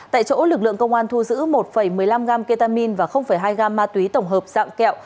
tại chỗ lực lượng công an thu giữ một một mươi năm gram ketamin và hai gam ma túy tổng hợp dạng kẹo